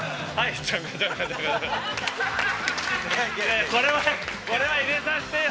いや、これは入れさせてよ。